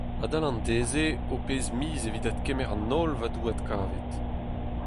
Adal an deiz-se ho pez miz evit adkemer an holl vadoù adkavet.